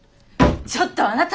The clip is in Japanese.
ちょっとあなた！